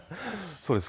そうです。